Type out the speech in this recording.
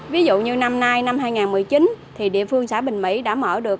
ví dụ như năm nay năm hai nghìn một mươi chín thì địa phương xã bình mỹ đã mở được